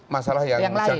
masalah yang jangka pendek